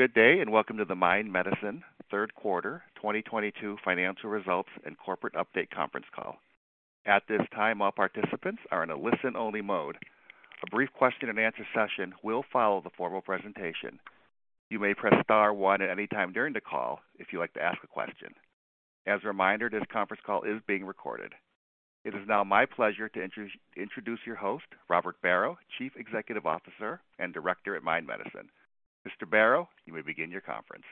Good day, and welcome to the Mind Medicine third quarter 2022 financial results and corporate update conference call. At this time, all participants are in a listen-only mode. A brief question and answer session will follow the formal presentation. You may press star one at any time during the call if you'd like to ask a question. As a reminder, this conference call is being recorded. It is now my pleasure to introduce your host, Robert Barrow, Chief Executive Officer and Director at Mind Medicine. Mr. Barrow, you may begin your conference.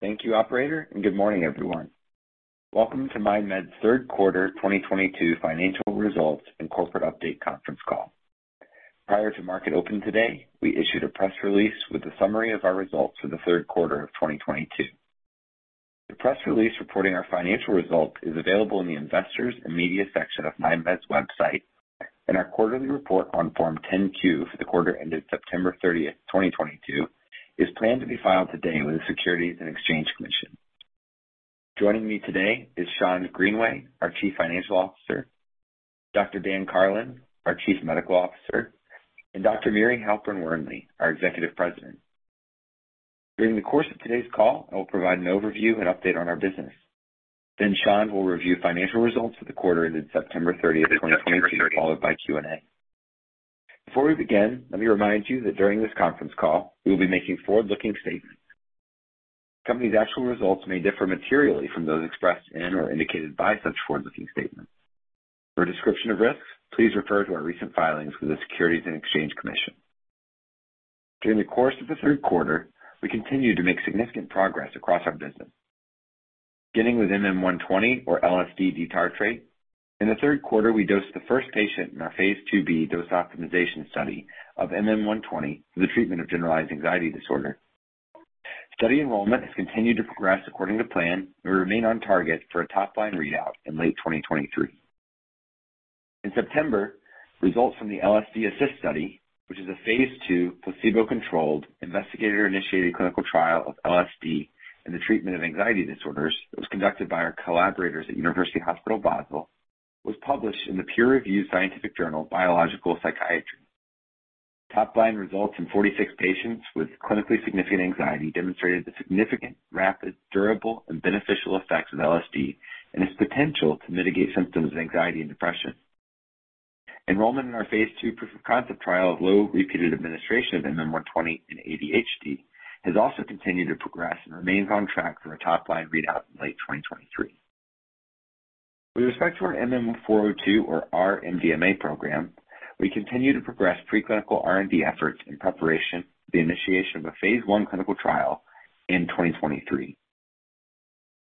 Thank you, operator, and good morning, everyone. Welcome to MindMed's third quarter 2022 financial results and corporate update conference call. Prior to market open today, we issued a press release with a summary of our results for the third quarter of 2022. The press release reporting our financial results is available in the Investors and Media section of MindMed's website. Our quarterly report on Form 10-Q for the quarter ended September 30th, 2022, is planned to be filed today with the Securities and Exchange Commission. Joining me today is Schond Greenway, our Chief Financial Officer, Dr. Dan Karlin, our Chief Medical Officer, and Dr. Miri Halperin Wernli, our Executive President. During the course of today's call, I will provide an overview and update on our business. Then Schond will review financial results for the quarter ended September 30th, 2022, followed by Q&A. Before we begin, let me remind you that during this conference call, we will be making forward-looking statements. The company's actual results may differ materially from those expressed in or indicated by such forward-looking statements. For a description of risks, please refer to our recent filings with the Securities and Exchange Commission. During the course of the third quarter, we continued to make significant progress across our business. Beginning with MM-120 or LSD D-tartrate. In the third quarter, we dosed the first patient in our phase II-B dose optimization study of MM-120 for the treatment of generalized anxiety disorder. Study enrollment has continued to progress according to plan. We remain on target for a top-line readout in late 2023. In September, results from the LSD-Assist Study, which is a phase II placebo-controlled, investigator-initiated clinical trial of LSD in the treatment of anxiety disorders, that was conducted by our collaborators at University Hospital Basel, was published in the peer-reviewed scientific journal, Biological Psychiatry. Top-line results in 46 patients with clinically significant anxiety demonstrated the significant, rapid, durable, and beneficial effects of LSD and its potential to mitigate symptoms of anxiety and depression. Enrollment in our phase II proof of concept trial of low repeated administration of MM-120 in ADHD has also continued to progress and remains on track for a top-line readout in late 2023. With respect to our MM-402 or R-MDMA program, we continue to progress preclinical R&D efforts in preparation for the initiation of a phase I clinical trial in 2023.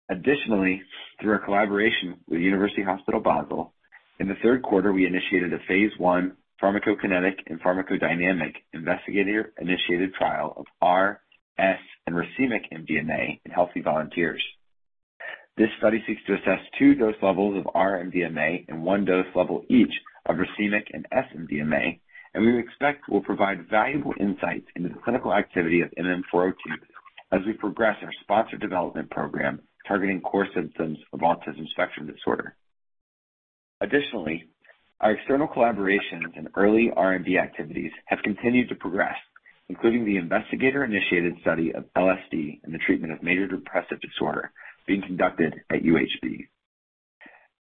Additionally, through our collaboration with University Hospital Basel, in the third quarter, we initiated a phase I pharmacokinetic and pharmacodynamic investigator-initiated trial of R, S, and racemic MDMA in healthy volunteers. This study seeks to assess two dose levels of R-MDMA and one dose level each of racemic and S-MDMA, and we expect will provide valuable insights into the clinical activity of MM-402 as we progress our sponsored development program targeting core symptoms of autism spectrum disorder. Additionally, our external collaborations and early R&D activities have continued to progress, including the investigator-initiated study of LSD in the treatment of major depressive disorder being conducted at UHB.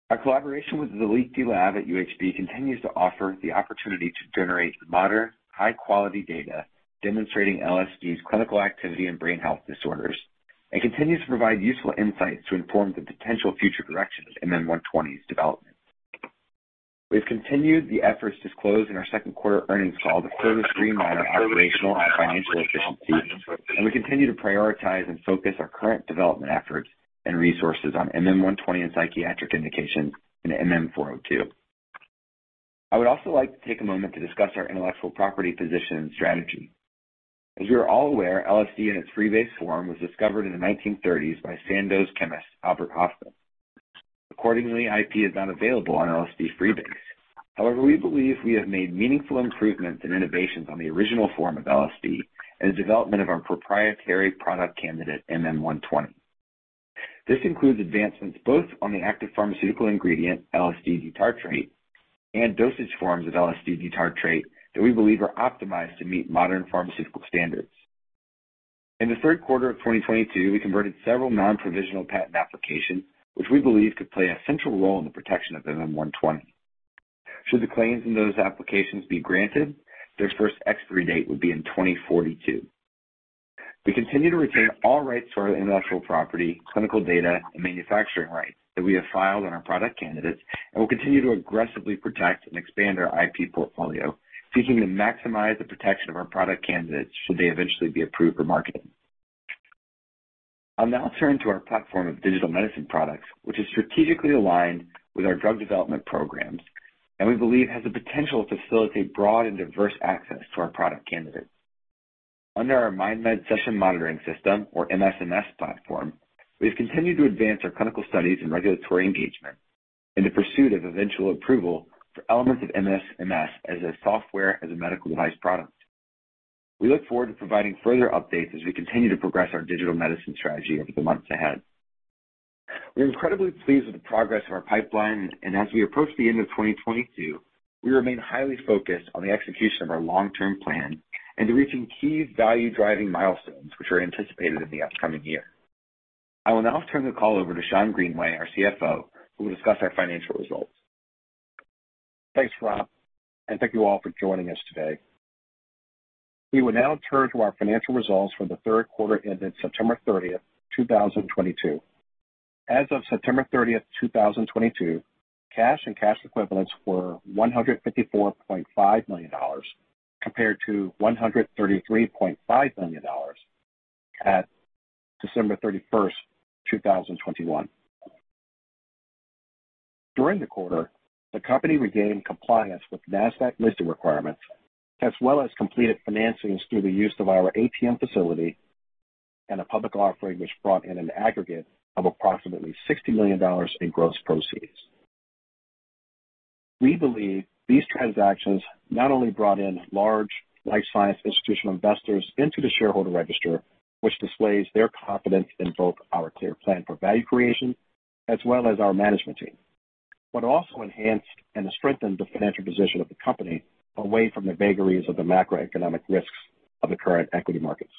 Our collaboration with the Liechti Lab at UHB continues to offer the opportunity to generate modern, high-quality data demonstrating LSD's clinical activity in brain health disorders and continues to provide useful insights to inform the potential future directions in MM-120's development. We've continued the efforts disclosed in our second quarter earnings call to further streamline our operational and financial efficiency, and we continue to prioritize and focus our current development efforts and resources on MM-120 and psychiatric indications in MM-402. I would also like to take a moment to discuss our intellectual property position and strategy. As we are all aware, LSD in its freebase form was discovered in the 1930s by Sandoz chemist Albert Hofmann. Accordingly, IP is not available on LSD freebase. However, we believe we have made meaningful improvements and innovations on the original form of LSD and the development of our proprietary product candidate, MM-120. This includes advancements both on the active pharmaceutical ingredient, LSD tartrate, and dosage forms of LSD tartrate that we believe are optimized to meet modern pharmaceutical standards. In the third quarter of 2022, we converted several non-provisional patent applications, which we believe could play a central role in the protection of MM-120. Should the claims in those applications be granted, their first expiry date would be in 2042. We continue to retain all rights to our intellectual property, clinical data, and manufacturing rights that we have filed on our product candidates and will continue to aggressively protect and expand our IP portfolio, seeking to maximize the protection of our product candidates should they eventually be approved for marketing. I'll now turn to our platform of digital medicine products, which is strategically aligned with our drug development programs and we believe has the potential to facilitate broad and diverse access to our product candidates. Under our MindMed Session Monitoring System or MSMS platform, we've continued to advance our clinical studies and regulatory engagement in the pursuit of eventual approval for elements of MSMS as a software as a medical device product. We look forward to providing further updates as we continue to progress our digital medicine strategy over the months ahead. We're incredibly pleased with the progress in our pipeline, and as we approach the end of 2022, we remain highly focused on the execution of our long-term plan and to reaching key value-driving milestones which are anticipated in the upcoming year. I will now turn the call over to Schond Greenway, our CFO, who will discuss our financial results. Thanks, Rob, and thank you all for joining us today. We will now turn to our financial results for the third quarter ended September 30, 2022. As of September 30, 2022, cash and cash equivalents were $154.5 million compared to $133.5 million at December 31, 2021. During the quarter, the company regained compliance with Nasdaq listing requirements as well as completed financings through the use of our ATM facility and a public offering which brought in an aggregate of approximately $60 million in gross proceeds. We believe these transactions not only brought in large life science institutional investors into the shareholder register, which displays their confidence in both our clear plan for value creation as well as our management team, but also enhanced and strengthened the financial position of the company away from the vagaries of the macroeconomic risks of the current equity markets.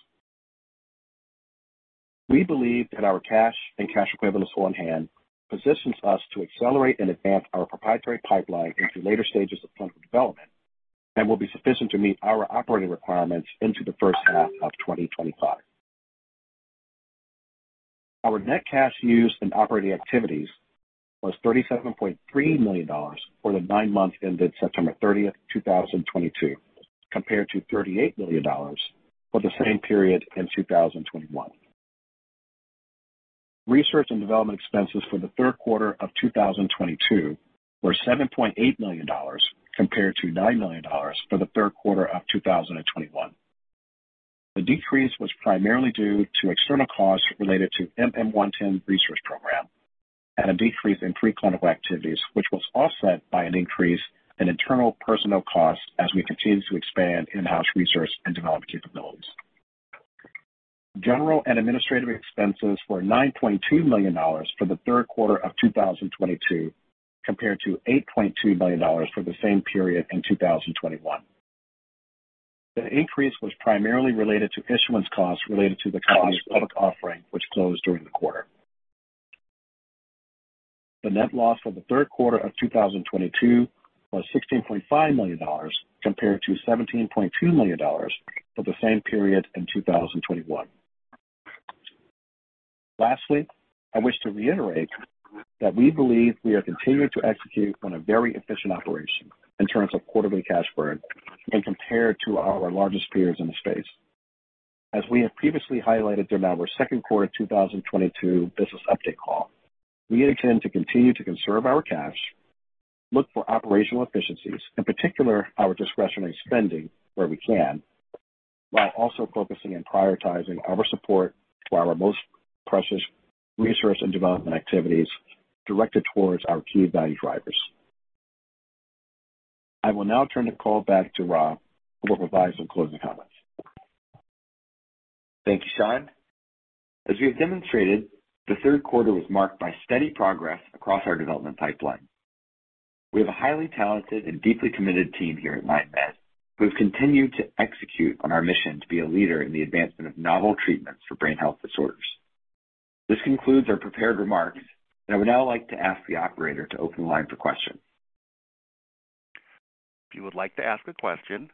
We believe that our cash and cash equivalents on hand positions us to accelerate and advance our proprietary pipeline into later stages of clinical development and will be sufficient to meet our operating requirements into the first half of 2025. Our net cash used in operating activities was $37.3 million for the nine months ended September 30, 2022, compared to $38 million for the same period in 2021. Research and development expenses for the third quarter of 2022 were $7.8 million compared to $9 million for the third quarter of 2021. The decrease was primarily due to external costs related to MM-110 research program and a decrease in preclinical activities, which was offset by an increase in internal personnel costs as we continue to expand in-house research and development capabilities. General and administrative expenses were $9.2 million for the third quarter of 2022 compared to $8.2 million for the same period in 2021. The increase was primarily related to issuance costs related to the company's public offering, which closed during the quarter. The net loss for the third quarter of 2022 was $16.5 million compared to $17.2 million for the same period in 2021. Lastly, I wish to reiterate that we believe we are continuing to execute on a very efficient operation in terms of quarterly cash burn and compared to our largest peers in the space. As we have previously highlighted during our second quarter of 2022 business update call, we intend to continue to conserve our cash, look for operational efficiencies, in particular our discretionary spending where we can, while also focusing and prioritizing our support to our most precious research and development activities directed towards our key value drivers. I will now turn the call back to Rob, who will provide some closing comments. Thank you, Sean. As we have demonstrated, the third quarter was marked by steady progress across our development pipeline. We have a highly talented and deeply committed team here at MindMed who have continued to execute on our mission to be a leader in the advancement of novel treatments for brain health disorders. This concludes our prepared remarks, and I would now like to ask the operator to open the line for questions. If you would like to ask a question,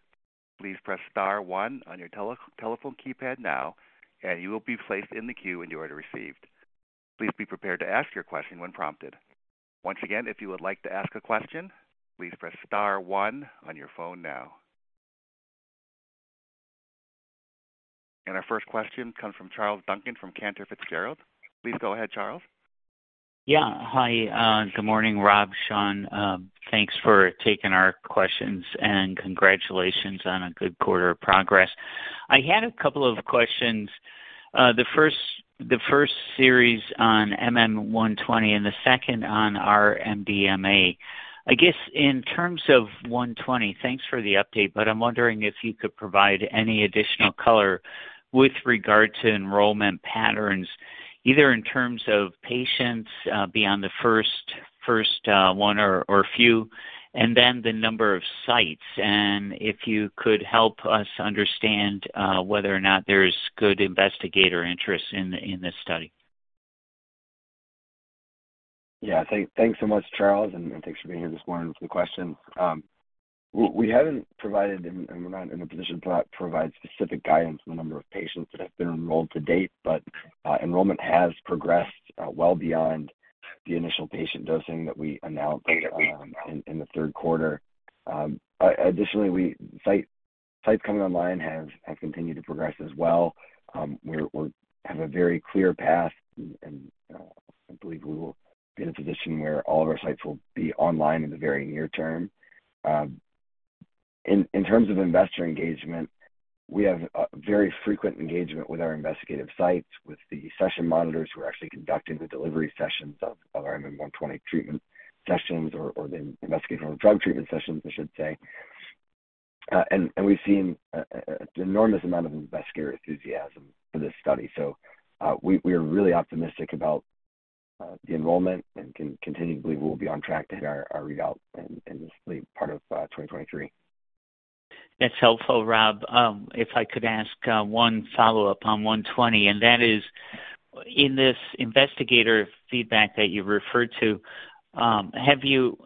please press star one on your telephone keypad now, and you will be placed in the queue in the order received. Please be prepared to ask your question when prompted. Once again, if you would like to ask a question, please press star one on your phone now. Our first question comes from Charles Duncan from Cantor Fitzgerald. Please go ahead, Charles. Yeah. Hi. Good morning, Rob, Sean. Thanks for taking our questions, and congratulations on a good quarter of progress. I had a couple of questions. The first series on MM-120 and the second on R-MDMA. I guess in terms of MM-120, thanks for the update, but I'm wondering if you could provide any additional color with regard to enrollment patterns, either in terms of patients beyond the first one or few, and then the number of sites. If you could help us understand whether or not there's good investigator interest in this study. Yeah. Thanks so much, Charles, and thanks for being here this morning with the questions. We haven't provided, and we're not in a position to provide specific guidance on the number of patients that have been enrolled to date, but enrollment has progressed well beyond the initial patient dosing that we announced in the third quarter. Additionally, sites coming online have continued to progress as well. We have a very clear path and, you know, I believe we will be in a position where all of our sites will be online in the very near term. In terms of investor engagement, we have very frequent engagement with our investigative sites, with the session monitors who are actually conducting the delivery sessions of our MM-120 treatment sessions or the investigational drug treatment sessions, I should say. We've seen an enormous amount of investigator enthusiasm for this study. We are really optimistic about the enrollment and continually we will be on track to hit our readout in this late part of 2023. That's helpful, Rob. If I could ask one follow-up on 120, and that is, in this investigator feedback that you referred to, have you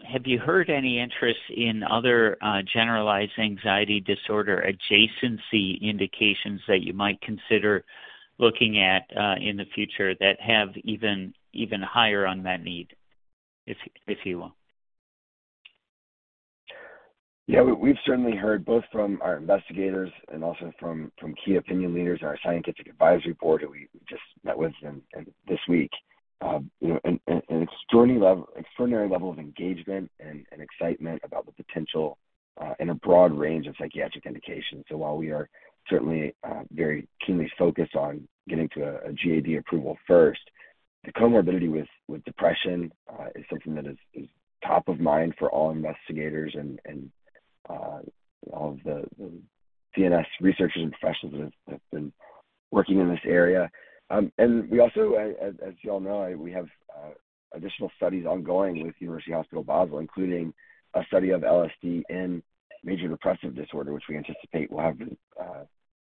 heard any interest in other generalized anxiety disorder adjacency indications that you might consider looking at in the future that have even higher unmet need, if you will? Yeah. We've certainly heard both from our investigators and also from key opinion leaders in our scientific advisory board who we just met with them this week. You know, an extraordinary level of engagement and excitement about the potential in a broad range of psychiatric indications. While we are certainly very keenly focused on getting to a GAD approval first, the comorbidity with depression is something that is top of mind for all investigators and all of the CNS researchers and professionals that have been working in this area. We also, as you all know, we have additional studies ongoing with University Hospital Basel, including a study of LSD in major depressive disorder, which we anticipate we'll have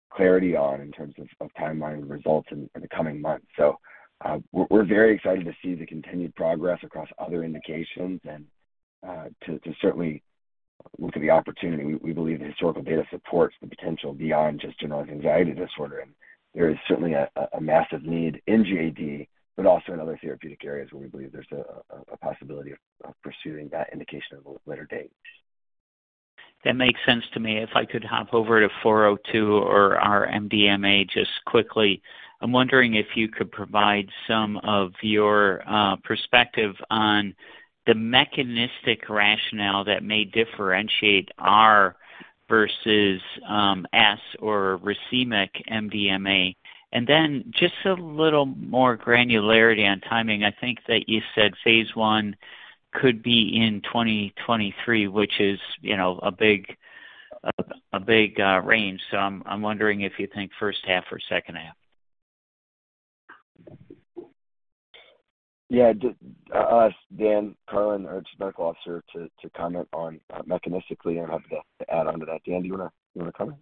clarity on in terms of timeline results in the coming months. We're very excited to see the continued progress across other indications and to certainly look at the opportunity. We believe the historical data supports the potential beyond just generalized anxiety disorder. There is certainly a massive need in GAD, but also in other therapeutic areas where we believe there's a possibility of pursuing that indication at a later date. That makes sense to me. If I could hop over to 402 or R-MDMA just quickly. I'm wondering if you could provide some of your perspective on the mechanistic rationale that may differentiate R versus S or racemic MDMA. Then just a little more granularity on timing. I think that you said phase I could be in 2023, which is, you know, a big range. I'm wondering if you think first half or second half. Yeah. Dan Karlin, our Chief Medical Officer, to comment on mechanistically, and I'm happy to add onto that. Dan, do you wanna comment?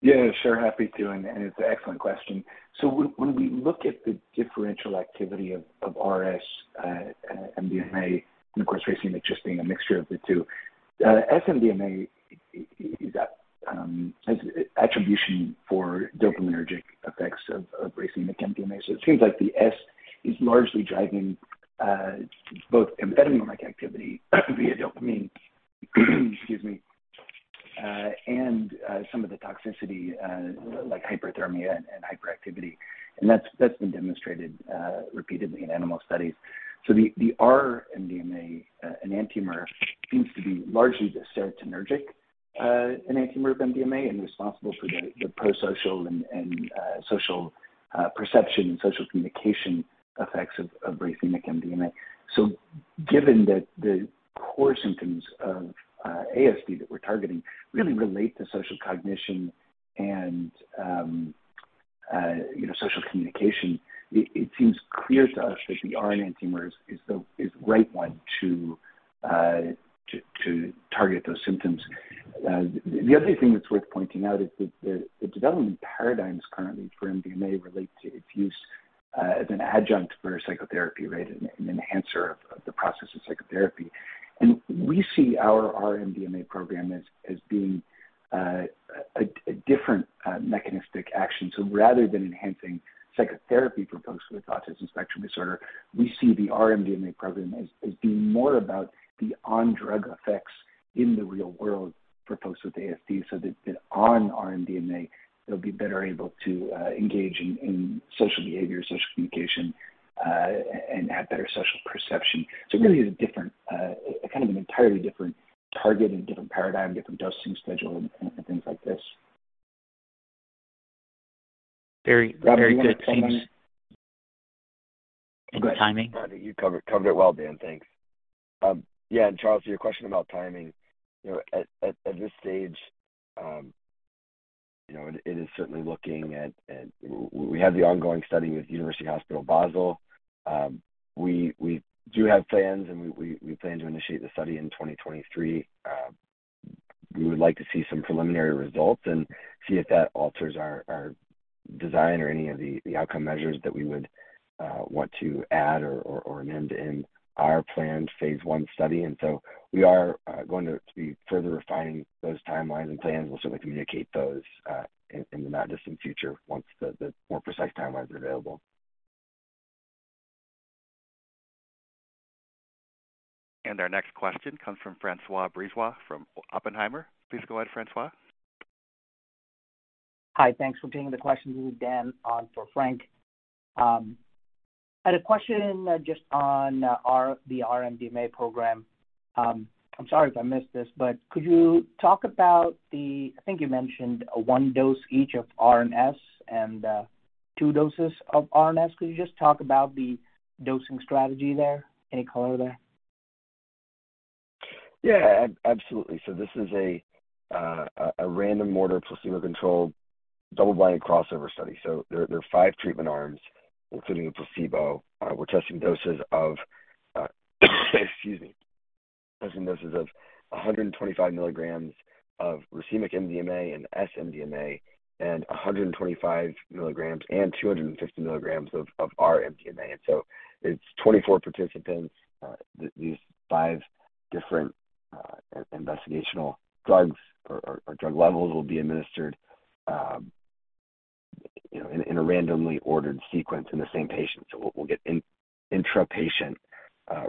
Yeah, sure. Happy to, and it's an excellent question. When we look at the differential activity of R/S-MDMA, and of course, racemic just being a mixture of the two, S-MDMA has attribution for dopaminergic effects of racemic MDMA. It seems like the S is largely driving both amphetamine-like activity via dopamine, excuse me, and some of the toxicity like hyperthermia and hyperactivity. That's been demonstrated repeatedly in animal studies. The R-MDMA enantiomer seems to be largely the serotonergic enantiomer of MDMA and responsible for the prosocial and social perception and social communication effects of racemic MDMA. Given that the core symptoms of ASD that we're targeting really relate to social cognition and social communication, it seems clear to us that the R enantiomer is the right one to target those symptoms. The other thing that's worth pointing out is that the development paradigms currently foR-MDMA relate to its use as an adjunct for psychotherapy, right? An enhancer of the process of psychotherapy. We see our R-MDMA program as being a different mechanistic action. Rather than enhancing psychotherapy for folks with autism spectrum disorder, we see the R-MDMA program as being more about the on-drug effects in the real world for folks with ASD, so that on R-MDMA, they'll be better able to engage in social behavior, social communication, and have better social perception. It really is a different kind of an entirely different target and different paradigm, different dosing schedule and things like this. Very, very good. Thanks. Rob, you wanna comment on- Any timing? You covered it well, Dan. Thanks. Yeah, Charles, to your question about timing, you know, at this stage, you know, We have the ongoing study with University Hospital Basel. We do have plans, and we plan to initiate the study in 2023. We would like to see some preliminary results and see if that alters our design or any of the outcome measures that we would want to add or amend in our planned phase I study. We are going to be further refining those timelines and plans. We'll certainly communicate those in the not-distant future once the more precise timelines are available. Our next question comes from François Brisebois from Oppenheimer. Please go ahead, François. Hi. Thanks for taking the question. This is Dan on for Frank. I had a question just on the R-MDMA program. I'm sorry if I missed this, but could you talk about I think you mentioned one dose each of R and S and two doses of R and S. Could you just talk about the dosing strategy there? Any color there? Yeah, absolutely. This is a random order, placebo-controlled, double-blind crossover study. There are five treatment arms, including the placebo. Testing doses of 125 mg of racemic MDMA and S-MDMA, and 125 mg and 250 mg of R-MDMA. It's 24 participants. These five different investigational drugs or drug levels will be administered in a randomly ordered sequence in the same patient. We'll get intrapatient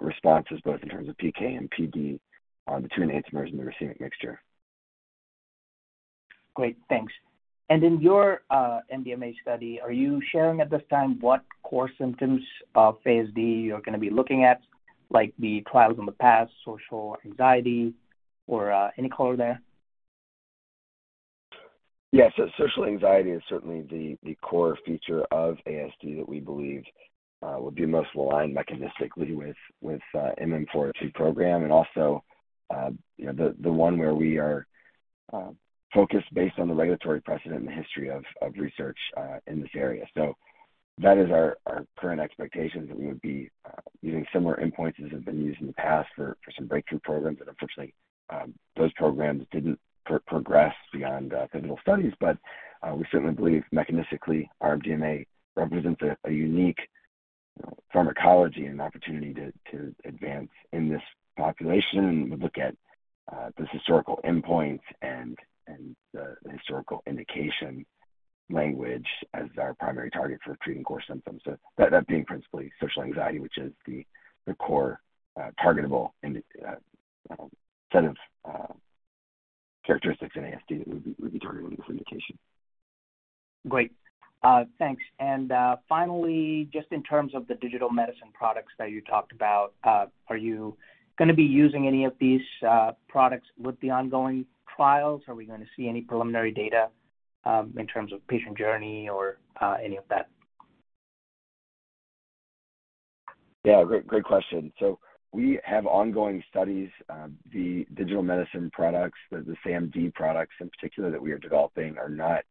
responses both in terms of PK and PD between the enantiomers and the racemic mixture. Great. Thanks. In your R-MDMA study, are you sharing at this time what core symptoms of ASD you're gonna be looking at, like the ones in the past, social anxiety or any color there? Yeah. Social anxiety is certainly the core feature of ASD that we believe would be most aligned mechanistically with MM-402 program and also, you know, the one where we are focused based on the regulatory precedent and the history of research in this area. That is our current expectation, that we would be using similar endpoints as have been used in the past for some breakthrough programs that unfortunately, those programs didn't progress beyond clinical studies. We certainly believe mechanistically, R-MDMA represents a unique pharmacology and opportunity to advance in this population. We look at this historical endpoint and the historical indication language as our primary target for treating core symptoms. That being principally social anxiety, which is the core targetable innate set of characteristics in ASD that we'd be targeting with this indication. Great. Thanks. Finally, just in terms of the digital medicine products that you talked about, are you gonna be using any of these products with the ongoing trials? Are we gonna see any preliminary data, in terms of patient journey or any of that? Yeah. Great question. We have ongoing studies. The digital medicine products, the SaMD products in particular that we are developing are not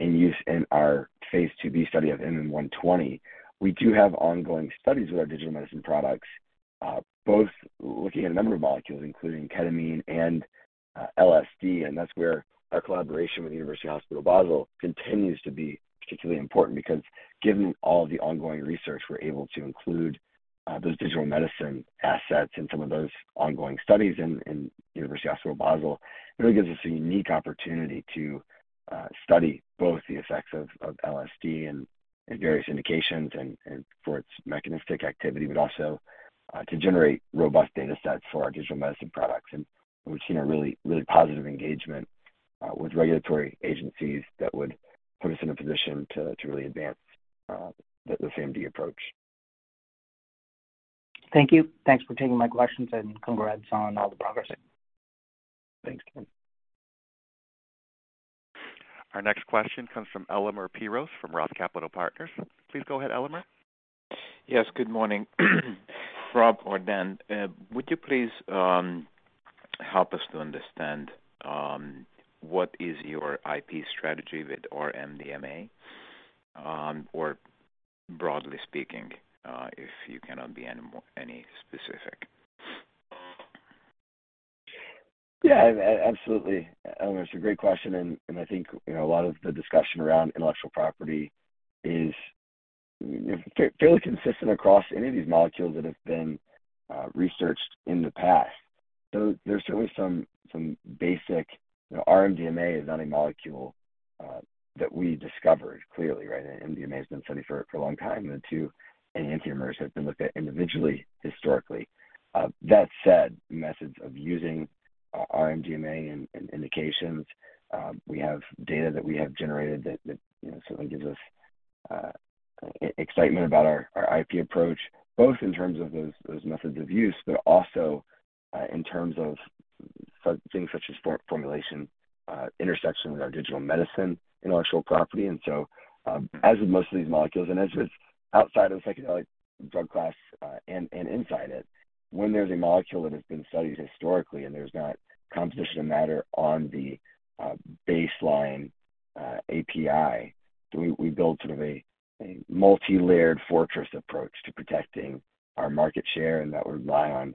in use in our phase II-B study of MM-120. We do have ongoing studies with our digital medicine products, both looking at a number of molecules, including ketamine and LSD. That's where our collaboration with University Hospital Basel continues to be particularly important because given all the ongoing research, we're able to include those digital medicine assets in some of those ongoing studies in University Hospital Basel. It really gives us a unique opportunity to study both the effects of LSD and various indications and for its mechanistic activity, but also to generate robust data sets for our digital medicine products. We've seen a really positive engagement with regulatory agencies that would put us in a position to really advance the SaMD approach. Thank you. Thanks for taking my questions and congrats on all the progress. Thanks. Our next question comes from Elemer Piros from Roth Capital Partners. Please go ahead, Elemer. Yes, good morning. Rob or Dan, would you please help us to understand what is your IP strategy with R-MDMA, or broadly speaking, if you cannot be any more specific? Yeah. Absolutely. Elemer, it's a great question. I think, you know, a lot of the discussion around intellectual property is fairly consistent across any of these molecules that have been researched in the past. There's certainly some basic. You know, R-MDMA is not a molecule that we discovered clearly, right? MDMA has been studied for a long time. The two enantiomers have been looked at individually historically. That said, methods of using R-MDMA in indications, we have data that we have generated that, you know, certainly gives us excitement about our IP approach, both in terms of those methods of use, but also, in terms of things such as for formulation, intersection with our digital medicine intellectual property. As with most of these molecules and as with outside of the psychedelic drug class, and inside it, when there's a molecule that has been studied historically and there's not composition of matter on the baseline API, we build sort of a multilayered fortress approach to protecting our market share, and that would rely on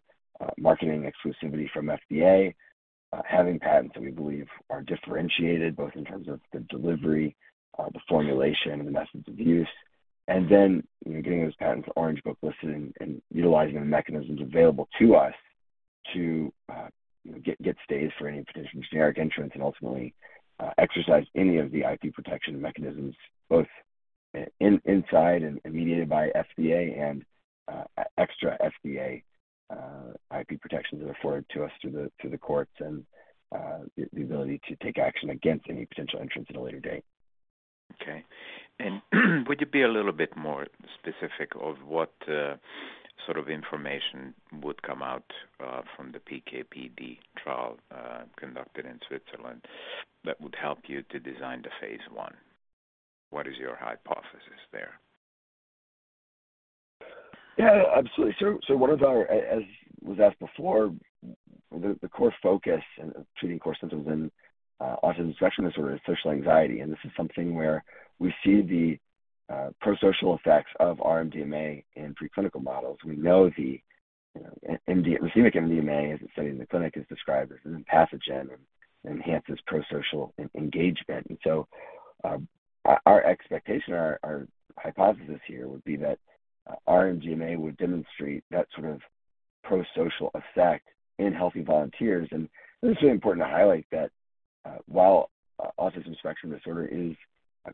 marketing exclusivity from FDA, having patents that we believe are differentiated both in terms of the delivery, the formulation, and the methods of use. You know, getting those patents Orange Book-listed and utilizing the mechanisms available to us to get stays for any potential generic entrants and ultimately exercise any of the IP protection mechanisms both inside and mediated by FDA and extra FDA IP protections that are afforded to us through the courts and the ability to take action against any potential entrants at a later date. Okay. Would you be a little bit more specific of what, sort of information would come out from the PK/PD trial conducted in Switzerland that would help you to design the phase I? What is your hypothesis there? Yeah, absolutely. As was asked before, the core focus of treating core symptoms in autism spectrum disorder is social anxiety, and this is something where we see the prosocial effects of R-MDMA in preclinical models. We know, you know, racemic MDMA, as it's studied in the clinic, is described as an empathogen and enhances prosocial engagement. Our expectation or our hypothesis here would be that R-MDMA would demonstrate that sort of prosocial effect in healthy volunteers. This is really important to highlight that, while, autism spectrum disorder is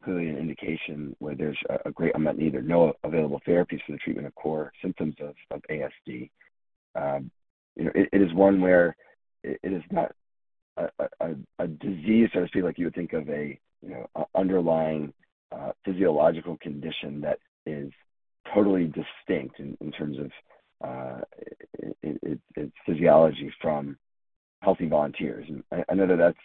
clearly an indication where there's a great unmet need or no available therapies for the treatment of core symptoms of ASD, you know, it is one where it is not a disease so to speak like you would think of a, you know, underlying physiological condition that is totally distinct in terms of its physiology from healthy volunteers. I know that that's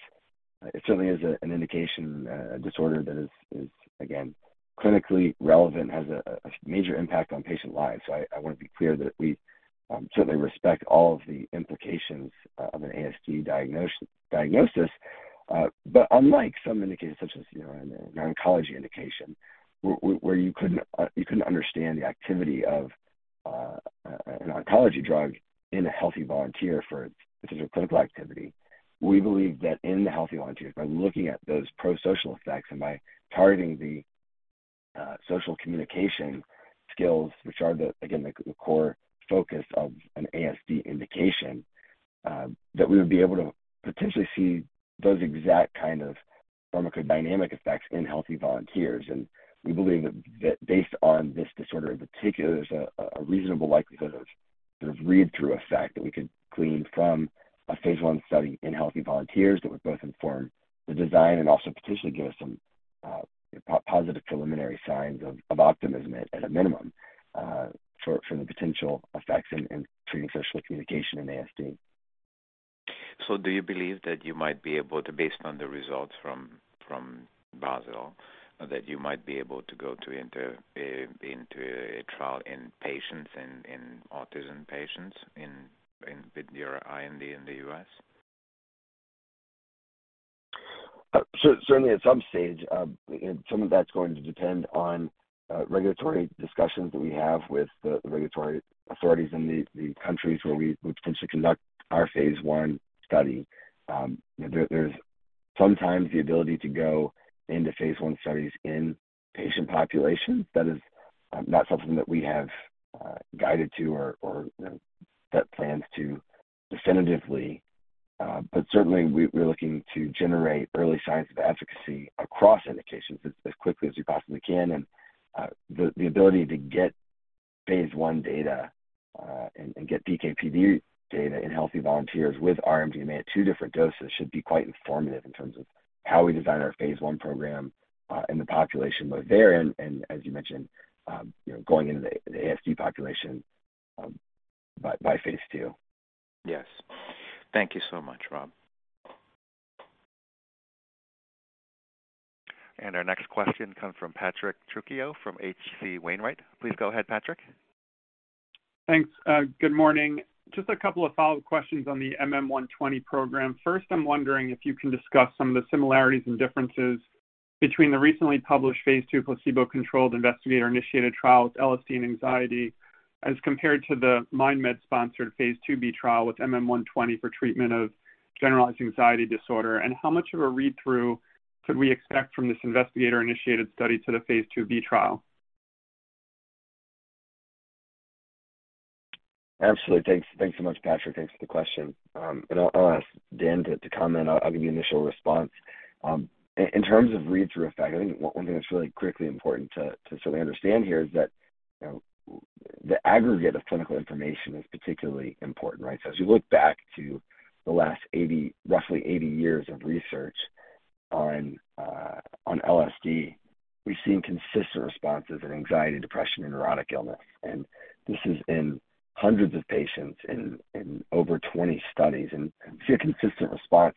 it certainly is an indication, a disorder that is again, clinically relevant, has a major impact on patient lives. I wanna be clear that we certainly respect all of the implications of an ASD diagnosis. Unlike some indications such as, you know, an oncology indication where you couldn't understand the activity of an oncology drug in a healthy volunteer for its pharmacodynamic activity, we believe that in the healthy volunteers, by looking at those prosocial effects and by targeting the social communication skills, which are, again, the core focus of an ASD indication, that we would be able to potentially see those exact kind of pharmacodynamic effects in healthy volunteers. We believe that based on this disorder in particular, there's a reasonable likelihood of sort of read-through effect that we could glean from a phase I study in healthy volunteers that would both inform the design and also potentially give us some positive preliminary signs of optimism at a minimum for the potential effects in treating social communication in ASD. Do you believe that you might be able to, based on the results from Basel, enter into a trial in autism patients with your IND in the U.S.? Certainly at some stage. Some of that's going to depend on regulatory discussions that we have with the regulatory authorities in the countries where we would potentially conduct our phase I study. You know, there's sometimes the ability to go into phase I studies in patient populations. That is not something that we have guided to or you know set plans to definitively. Certainly we're looking to generate early signs of efficacy across indications as quickly as we possibly can. The ability to get phase I data and get PK/PD data in healthy volunteers with R-MDMA at 2 different doses should be quite informative in terms of how we design our phase I program and the population we're targeting and as you mentioned, going into the ASD population by phase II. Yes. Thank you so much, Rob. Our next question comes from Patrick Trucchio from H.C. Wainwright. Please go ahead, Patrick. Thanks. Good morning. Just a couple of follow-up questions on the MM120 program. First, I'm wondering if you can discuss some of the similarities and differences between the recently published phase II placebo-controlled investigator-initiated trial with LSD and anxiety as compared to the MindMed sponsored phase II-B trial with MM120 for treatment of generalized anxiety disorder, and how much of a read-through could we expect from this investigator-initiated study to the phase II-B trial? Absolutely. Thanks so much, Patrick. Thanks for the question. I'll ask Dan to comment. I'll give you initial response. In terms of read-through effect, I think one thing that's really critically important to sort of understand here is that, you know, the aggregate of clinical information is particularly important, right? As you look back to the last roughly 80 years of research on LSD, we've seen consistent responses in anxiety, depression, and neurotic illness. This is in hundreds of patients in over 20 studies and we see a consistent response.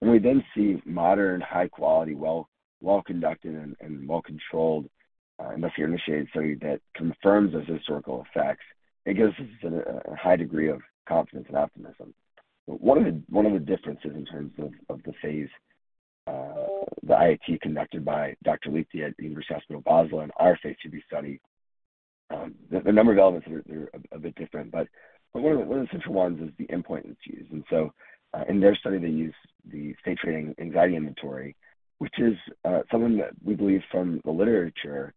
When we then see modern, high quality, well conducted and well controlled investigator-initiated study that confirms those historical effects, it gives us a high degree of confidence and optimism. One of the differences in terms of the phase, the IIT conducted by Dr. Liechti at University Hospital Basel and our phase II-B study, the number of elements are a bit different, but one of the central ones is the endpoint that's used. In their study, they used the State-Trait Anxiety Inventory, which is something that we believe from the literature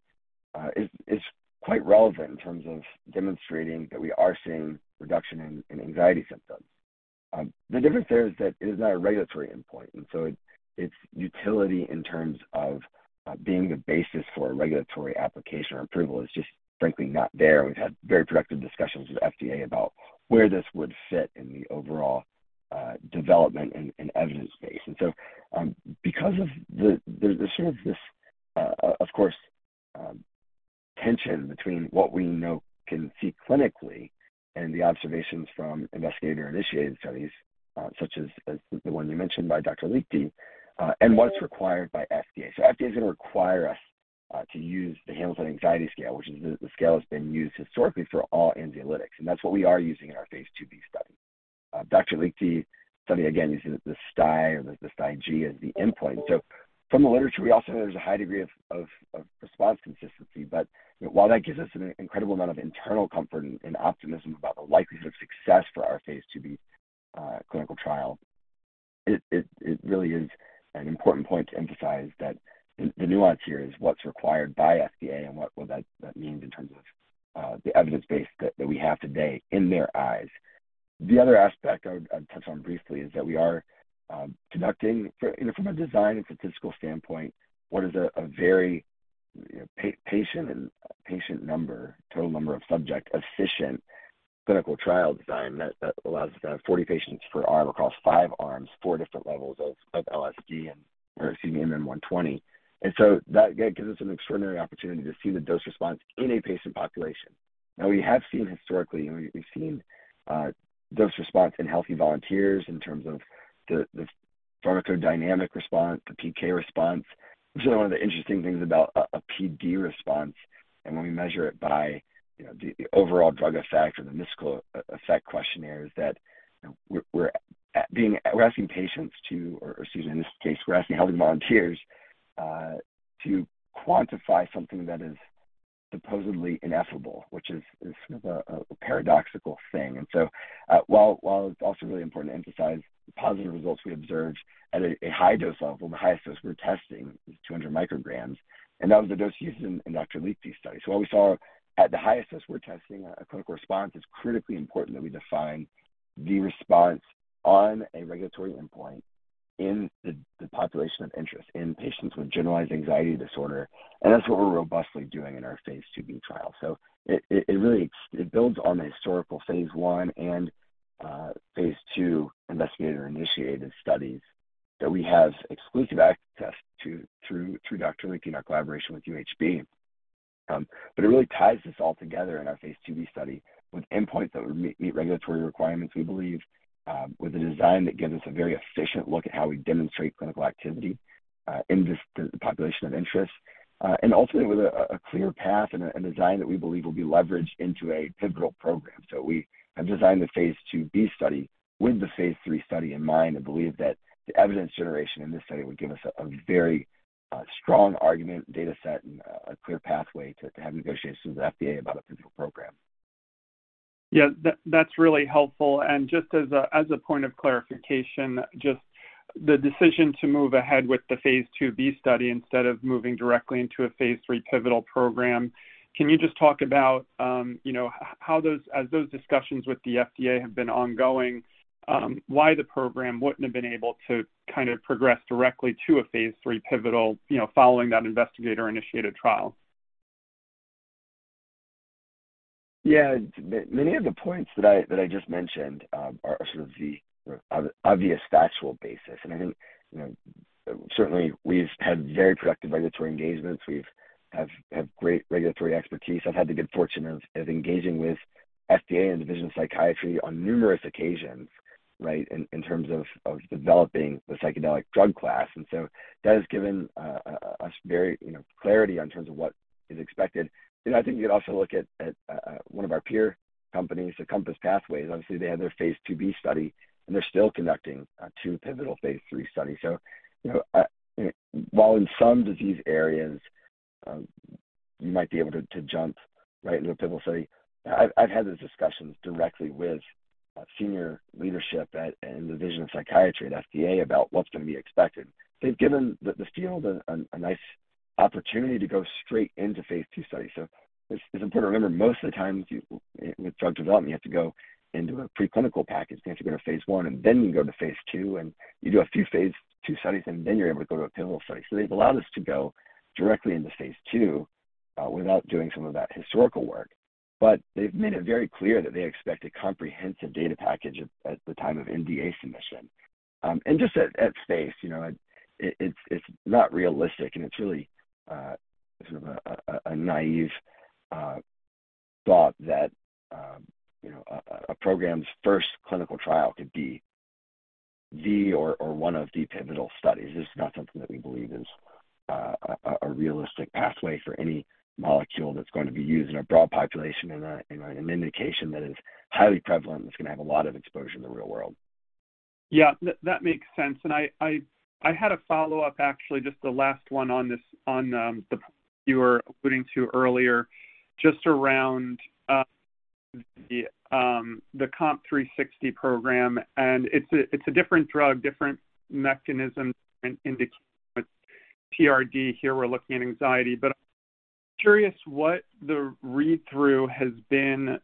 is quite relevant in terms of demonstrating that we are seeing reduction in anxiety symptoms. The difference there is that it is not a regulatory endpoint, and so its utility in terms of being the basis for a regulatory application or approval is just frankly not there. We've had very productive discussions with FDA about where this would fit in the overall development and evidence base. There's sort of this tension between what we know can see clinically and the observations from investigator-initiated studies, such as the one you mentioned by Dr. Liechti, and what's required by FDA. FDA is gonna require us to use the Hamilton Anxiety Scale, which is the scale that's been used historically for all anxiolytics, and that's what we are using in our phase II-B study. Dr. Liechti's study, again, using the STAI or the STAI-G as the endpoint. From the literature, we also know there's a high degree of response consistency. While that gives us an incredible amount of internal comfort and optimism about the likelihood of success for phase II-B clinical trial, it really is an important point to emphasize that the nuance here is what is required by FDA and what that means in terms of the evidence base that we have today in their eyes. The other aspect I would touch on briefly is that we are conducting you know from a design and statistical standpoint what is a very patient- and subject-number-efficient clinical trial design that allows us to have 40 patients per arm across five arms, four different levels of LSD or excuse me, MM-120. That, again, gives us an extraordinary opportunity to see the dose response in a patient population. Now we have seen historically, you know, we've seen dose response in healthy volunteers in terms of the pharmacodynamic response, the PK response. This is one of the interesting things about a PD response. When we measure it by, you know, the overall drug effect or the Mystical Experience Questionnaire is that, you know, we're asking patients to, or excuse me, in this case, we're asking healthy volunteers to quantify something that is supposedly ineffable, which is sort of a paradoxical thing. While it's also really important to emphasize the positive results we observed at a high dose level, the highest dose we're testing is 200 micrograms, and that was the dose used in Dr. Liechti's study. What we saw at the highest dose we're testing, a clinical response, is critically important that we define the response on a regulatory endpoint in the population of interest in patients with generalized anxiety disorder. That's what we're robustly doing in phase II-B trial. It really builds on the historical phase I and phase II investigator-initiated studies that we have exclusive access to through Dr. Liechti and our collaboration with UHB. It really ties this all together in our phase II-B study with endpoints that would meet regulatory requirements, we believe, with a design that gives us a very efficient look at how we demonstrate clinical activity in the population of interest. Ultimately with a clear path and a design that we believe will be leveraged into a pivotal program. We have designed phase II-B study with the phase III study in mind and believe that the evidence generation in this study would give us a very strong argument data set and a clear pathway to have negotiations with the FDA about a pivotal program. Yeah. That, that's really helpful. Just as a point of clarification, just the decision to move ahead with phase II-B study instead of moving directly into a phase III pivotal program, can you just talk about, you know, how those discussions with the FDA have been ongoing, why the program wouldn't have been able to kind of progress directly to a phase III pivotal, you know, following that investigator-initiated trial? Yeah. Many of the points that I just mentioned are sort of the obvious factual basis. I think, you know, certainly we've had very productive regulatory engagements. We have great regulatory expertise. I've had the good fortune of engaging with FDA and Division of Psychiatry on numerous occasions, right, in terms of developing the psychedelic drug class. That has given us very, you know, clarity in terms of what is expected. You know, I think you could also look at one of our peer companies, Compass Pathways. Obviously, they had phase II-B study, and they're still conducting two pivotal phase III studies. You know, while in some disease areas, you might be able to jump right into a pivotal study. I've had those discussions directly with senior leadership in the division of psychiatry at FDA about what's gonna be expected. They've given this field a nice opportunity to go straight into phase II studies. It's important to remember most of the times with drug development, you have to go into a preclinical package. You have to go to phase I, and then you go to phase II, and you do a few phase II studies, and then you're able to go to a pivotal study. They've allowed us to go directly into phase II without doing some of that historical work. They've made it very clear that they expect a comprehensive data package at the time of NDA submission. Just at face, you know, it's not realistic, and it's really sort of a naive thought that, you know, a program's first clinical trial could be one of the pivotal studies. This is not something that we believe is a realistic pathway for any molecule that's going to be used in a broad population in an indication that is highly prevalent, that's gonna have a lot of exposure in the real world. Yeah. That makes sense. I had a follow-up, actually, just the last one on this, on the one you were alluding to earlier, just around the COMP360 program. It's a different drug, different mechanism and indication, TRD. Here, we're looking at anxiety. I'm curious what the read-through has been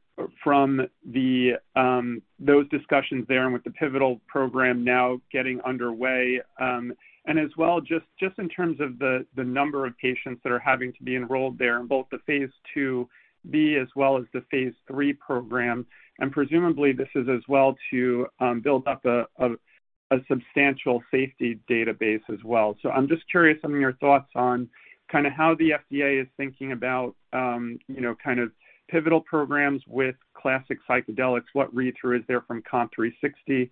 from those discussions there and with the pivotal program now getting underway. As well, just in terms of the number of patients that are having to be enrolled there in both phase II-B as well as the phase III program. Presumably this is as well to build up a substantial safety database as well. I'm just curious on your thoughts on kinda how the FDA is thinking about kind of pivotal programs with classic psychedelics. What read-through is there from COMP360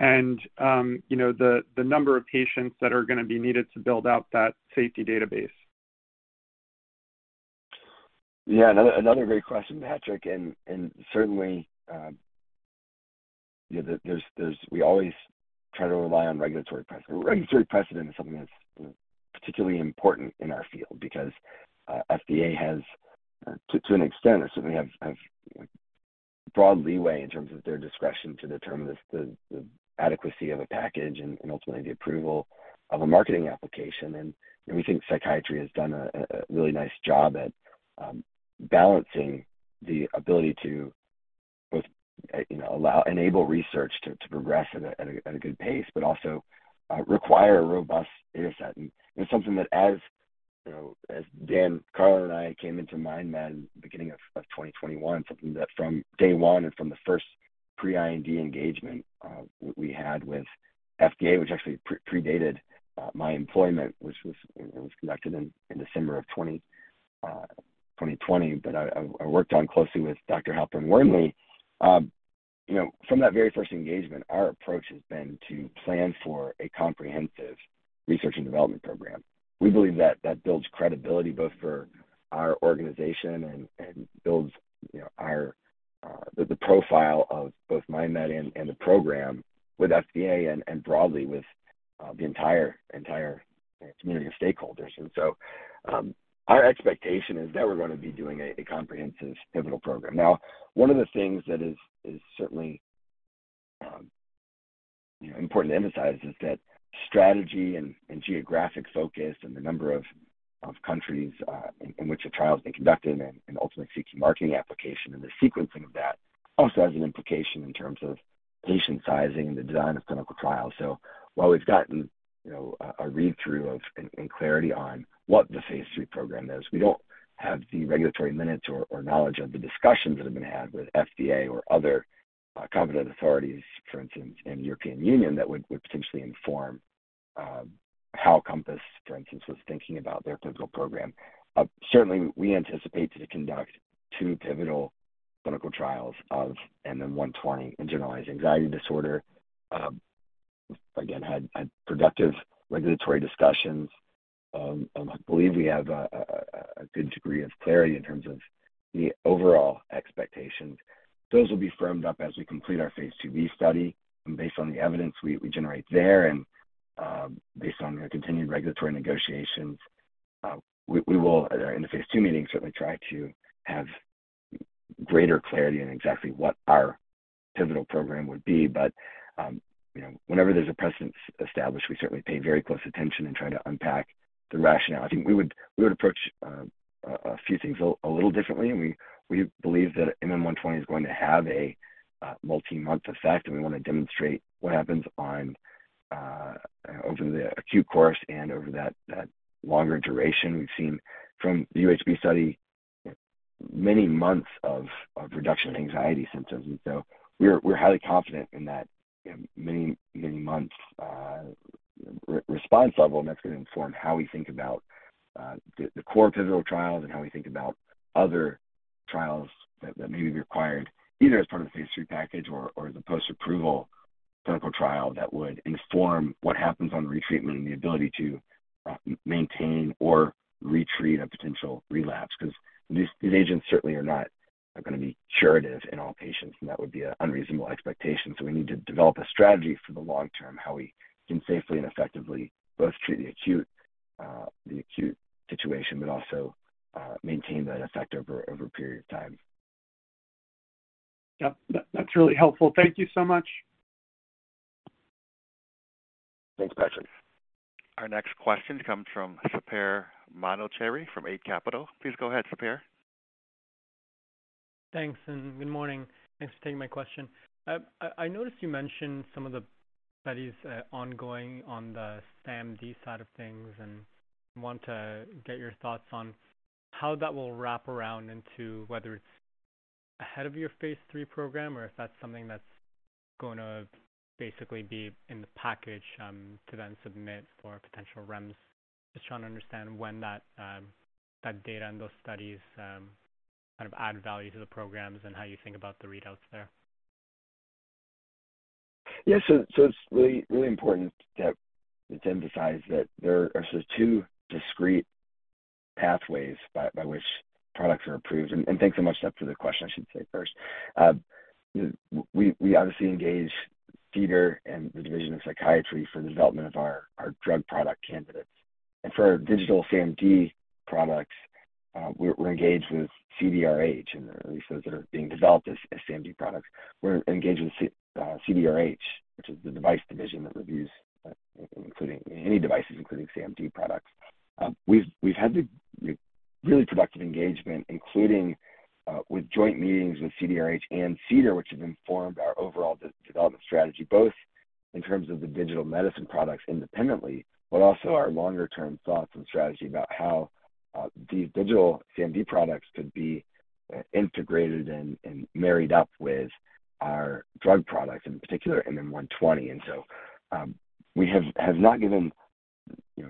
and the number of patients that are gonna be needed to build out that safety database. Yeah. Another great question, Patrick. We always try to rely on regulatory precedent. Regulatory precedent is something that's particularly important in our field because FDA has, to an extent, or certainly has broad leeway in terms of their discretion to determine the adequacy of a package and ultimately the approval of a marketing application. We think psychiatry has done a really nice job at balancing the ability to both enable research to progress at a good pace, but also require a robust data set. It's something that Dan Karlin and I came into MindMed beginning of 2021, something that from day one and from the first pre-IND engagement we had with FDA, which actually pre-dated my employment, which was conducted in December of 2020 that I worked on closely with Dr. Halperin Wernli. From that very first engagement, our approach has been to plan for a comprehensive research and development program. We believe that builds credibility both for our organization and builds our profile of both MindMed and the program with FDA and broadly with the entire community of stakeholders. Our expectation is that we're gonna be doing a comprehensive pivotal program. Now one of the things that is certainly you know important to emphasize is that strategy and geographic focus and the number of countries in which a trial has been conducted and ultimately seeks marketing application and the sequencing of that also has an implication in terms of patient sizing the design of clinical trials. While we've gotten you know a read-through of and clarity on what the phase III program is, we don't have the regulatory minutes or knowledge of the discussions that have been had with FDA or other competent authorities for instance in European Union that would potentially inform how COMPASS Pathways for instance was thinking about their clinical program. Certainly we anticipate to conduct two pivotal clinical trials of MM-120 in generalized anxiety disorder. We again had productive regulatory discussions. I believe we have a good degree of clarity in terms of the overall expectations. Those will be firmed up as we complete phase II-B study. Based on the evidence we generate there and based on our continued regulatory negotiations, we will in the phase II meeting certainly try to have greater clarity in exactly what our pivotal program would be. You know, whenever there's a precedent established, we certainly pay very close attention in trying to unpack the rationale. I think we would approach a few things a little differently, and we believe that MM-120 is going to have a multi-month effect, and we wanna demonstrate what happens over the acute course and over that longer duration. We've seen from the UHB study many months of reduction in anxiety symptoms, and so we're highly confident in that, you know, many months response level, and that's gonna inform how we think about the core pivotal trials and how we think about other trials that may be required either as part of the phase III package or as a post-approval clinical trial that would inform what happens on retreatment and the ability to maintain or retreatment a potential relapse. 'Cause these agents certainly are not gonna be curative in all patients, and that would be an unreasonable expectation. We need to develop a strategy for the long term, how we can safely and effectively both treat the acute situation, but also maintain that effect over a period of time. Yep. That, that's really helpful. Thank you so much. Thanks, Patrick. Our next question comes from Sepehr Manochehri from Eight Capital. Please go ahead, Sepehr. Thanks, and good morning. Thanks for taking my question. I noticed you mentioned some of the studies ongoing on the SAMD side of things and want to get your thoughts on how that will wrap around into whether it's ahead of your phase III program or if that's something that's gonna basically be in the package to then submit for potential REMS. Just trying to understand when that data and those studies kind of add value to the programs and how you think about the readouts there. Yeah. It's really important that it's emphasized that there are two discrete pathways by which products are approved. Thanks so much, Sepehr, for the question, I should say first. You know, we obviously engage CDER and the division of psychiatry for the development of our drug product candidates. For our digital SaMD products, we're engaged with CDRH and at least those that are being developed as SaMD products. We're engaged with CDRH, which is the device division that reviews including any devices, including SaMD products. We've had the really productive engagement, including with joint meetings with CDRH and CDER, which have informed our overall development strategy, both in terms of the digital medicine products independently, but also our longer term thoughts and strategy about how these digital SaMD products could be integrated and married up with our drug products, in particular MM-120. We have not, you know,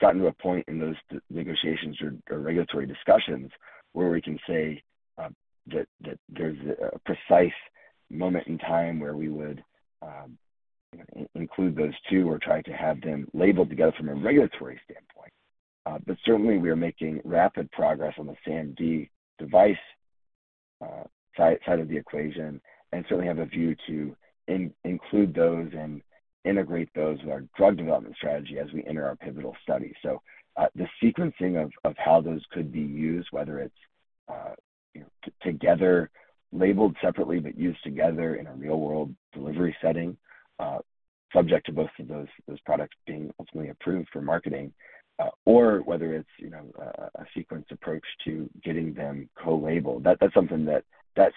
gotten to a point in those negotiations or regulatory discussions where we can say that there's a precise moment in time where we would include those two or try to have them labeled together from a regulatory standpoint. Certainly we are making rapid progress on the SaMD device, side of the equation, and certainly have a view to include those and integrate those with our drug development strategy as we enter our pivotal study. The sequencing of how those could be used, whether it's, you know, together labeled separately but used together in a real-world delivery setting, subject to both of those products being ultimately approved for marketing, or whether it's, you know, a sequence approach to getting them co-labeled. That's something that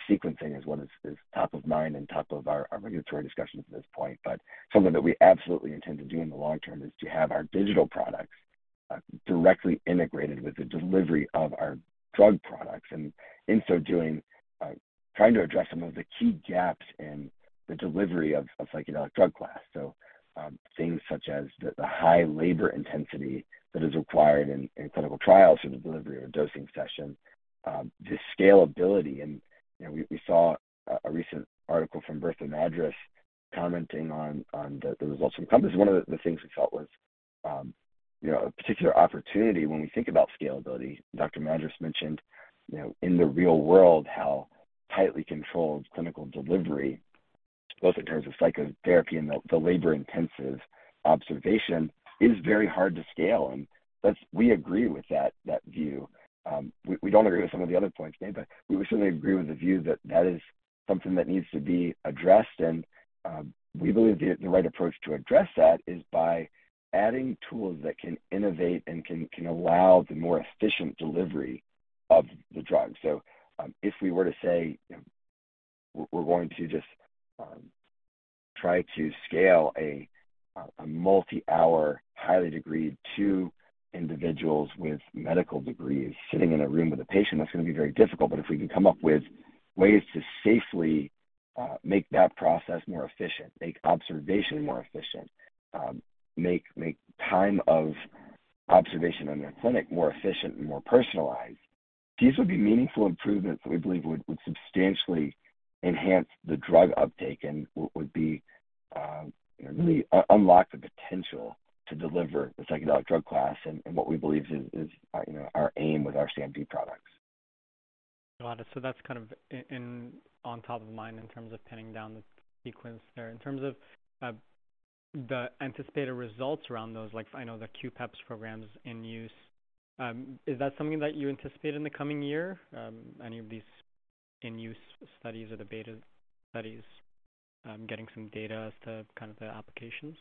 sequencing is what is top of mind and top of our regulatory discussions at this point. Something that we absolutely intend to do in the long term is to have our digital products directly integrated with the delivery of our drug products. In so doing, trying to address some of the key gaps in the delivery of psychedelic drug class. Things such as the high labor intensity that is required in clinical trials for the delivery or dosing session, the scalability and, you know, we saw a recent article from Bertha Madras commenting on the results from COMPASS Pathways. One of the things we felt was a particular opportunity when we think about scalability. Dr. Madras mentioned, you know, in the real world, how tightly controlled clinical delivery, both in terms of psychotherapy and the labor-intensive observation, is very hard to scale. We agree with that view. We don't agree with some of the other points made, but we would certainly agree with the view that that is something that needs to be addressed. We believe the right approach to address that is by adding tools that can innovate and can allow the more efficient delivery of the drug. If we were to say, you know, we're going to just try to scale a multi-hour, highly degreed two individuals with medical degrees sitting in a room with a patient, that's gonna be very difficult. If we can come up with ways to safely make that process more efficient, make observation more efficient, make time of observation in a clinic more efficient and more personalized, these would be meaningful improvements that we believe would substantially enhance the drug uptake and would be, you know, really unlock the potential to deliver the psychedelic drug class and what we believe is our aim with our SaMD products. Got it. That's kind of on top of mind in terms of pinning down the sequence there. In terms of the anticipated results around those, like I know the QPEPS program's in use, is that something that you anticipate in the coming year? Any of these in-use studies or the beta studies getting some data as to kind of the applications?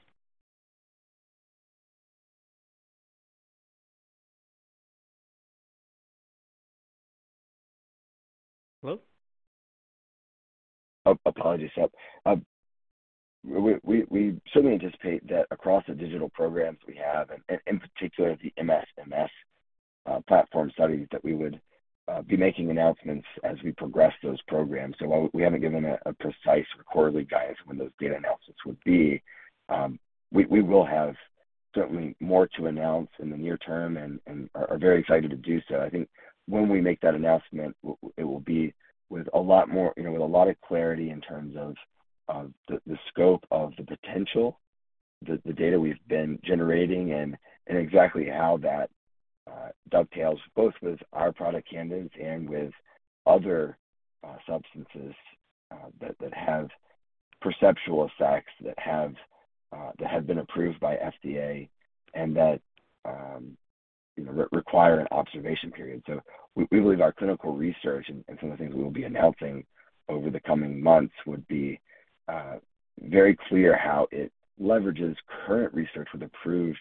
Hello? Oh, apologies. We certainly anticipate that across the digital programs we have, and in particular the MSMS platform studies, that we would be making announcements as we progress those programs. While we haven't given a precise or quarterly guidance when those data announcements would be, we will have certainly more to announce in the near term and are very excited to do so. I think when we make that announcement, it will be with a lot more, you know, with a lot of clarity in terms of, the scope of the potential, the data we've been generating and exactly how that dovetails both with our product candidates and with other substances that have perceptual effects, that have been approved by FDA and that, you know, require an observation period. So we believe our clinical research and some of the things we'll be announcing over the coming months would be very clear how it leverages current research with approved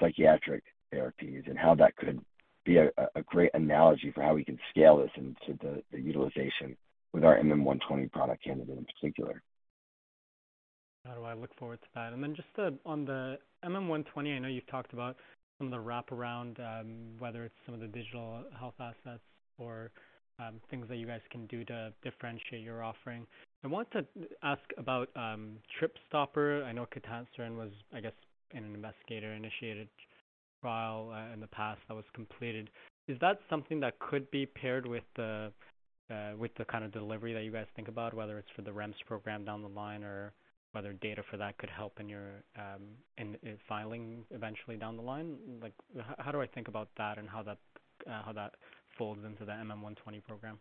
psychiatric therapies and how that could be a great analogy for how we can scale this into the utilization with our MM120 product candidate in particular. Oh, I look forward to that. Just on the MM120, I know you've talked about some of the wraparound, whether it's some of the digital health assets or, things that you guys can do to differentiate your offering. I want to ask about TripSitter. I know ketanserin was, I guess, in an investigator-initiated trial in the past that was completed. Is that something that could be paired with the kind of delivery that you guys think about, whether it's for the REMS program down the line or whether data for that could help in your, in filing eventually down the line? Like how do I think about that and how that folds into the MM120 program?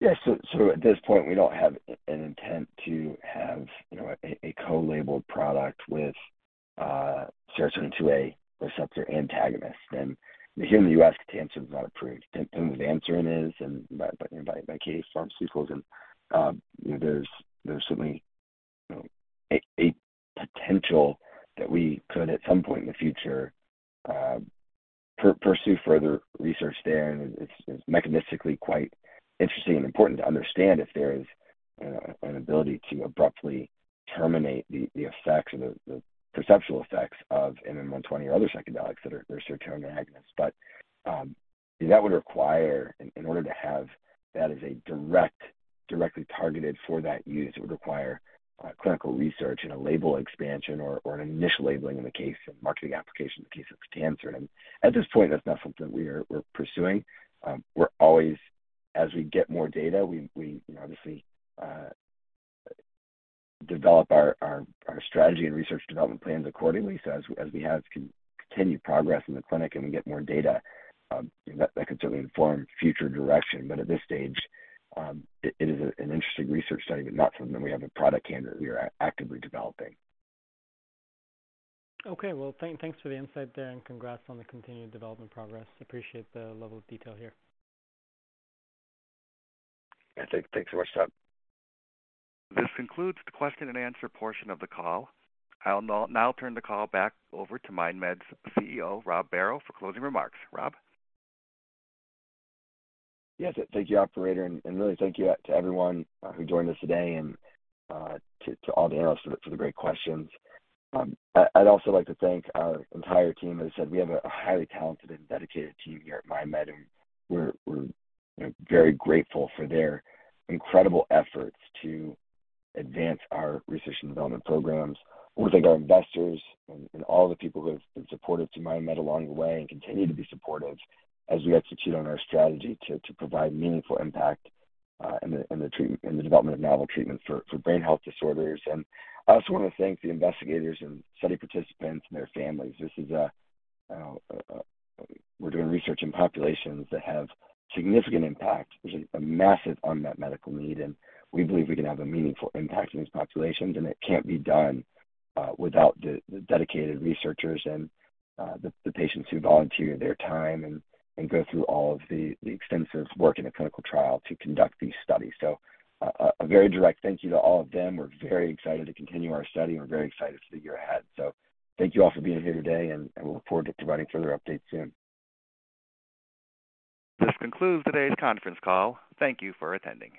Yeah. At this point, we don't have an intent to have, you know, a co-labeled product with a serotonin 2A receptor antagonist. Here in the U.S., ketanserin is not approved, pimavanserin is, and by Acadia Pharmaceuticals. You know, there's certainly, you know, a potential that we could at some point in the future pursue further research there. It's mechanistically quite interesting and important to understand if there is an ability to abruptly terminate the effects or the perceptual effects of MM120 or other psychedelics that are serotonin agonists. That would require in order to have that as a directly targeted for that use, it would require clinical research and a label expansion or an initial labeling in the case of marketing application in the case of ketanserin. At this point, that's not something we're pursuing. We're always, as we get more data, we you know, obviously develop our strategy and research development plans accordingly. As we have continued progress in the clinic and we get more data, that can certainly inform future direction. At this stage, it is an interesting research study, but not something that we have in the product candidate we are actively developing. Okay. Well, thanks for the insight there and congrats on the continued development progress. Appreciate the level of detail here. Yeah. Thanks so much, Todd. This concludes the question and answer portion of the call. I'll now turn the call back over to MindMed's CEO, Rob Barrow, for closing remarks. Rob? Yes. Thank you, operator, and really thank you to everyone who joined us today and to all the analysts for the great questions. I'd also like to thank our entire team. As I said, we have a highly talented and dedicated team here at MindMed, and we're you know very grateful for their incredible efforts to advance our research and development programs. I wanna thank our investors and all the people who have been supportive to MindMed along the way and continue to be supportive as we execute on our strategy to provide meaningful impact in the development of novel treatments for brain health disorders. I also wanna thank the investigators and study participants and their families. This is a you know a. We're doing research in populations that have significant impact. There's a massive unmet medical need, and we believe we can have a meaningful impact in these populations, and it can't be done without the dedicated researchers and the patients who volunteer their time and go through all of the extensive work in a clinical trial to conduct these studies. A very direct thank you to all of them. We're very excited to continue our study. We're very excited for the year ahead. Thank you all for being here today, and we look forward to providing further updates soon. This concludes today's conference call. Thank you for attending.